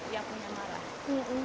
yang punya marah